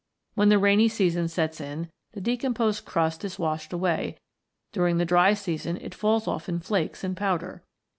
When the rainy season sets in, the decomposed crust is washed away ; during the dry season it falls off in flakes and powder.